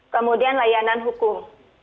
kemudian layanan hukum